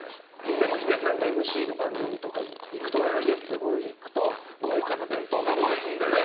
でもヒデさんがＭＣの番組とか我々、ゲストで行くと豪華な弁当があったりするんだよね。